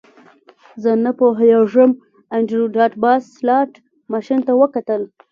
زه نه پوهیږم انډریو ډاټ باس سلاټ ماشین ته وکتل